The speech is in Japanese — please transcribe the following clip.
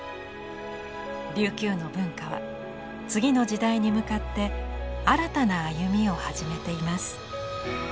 琉球の文化は次の時代に向かって新たな歩みを始めています。